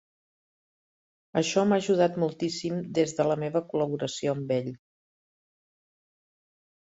Això m'ha ajudat moltíssim des de la meva col·laboració amb ell.